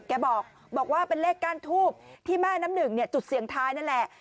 แกบอกว่าเป็นเลขก้านทูบที่แม่น้ำหนึ่งจุดเสี่ยงท้ายนั่นแหละ